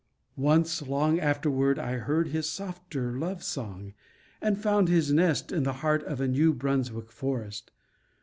Once, long afterward, I heard his softer love song, and found his nest in the heart of a New Brunswick forest.